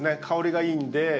香りがいいんで。